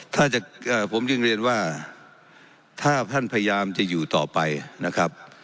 ถ้าจะผมจึงเรียนว่าถ้าท่านพยายามจะอยู่ต่อไปนะครับ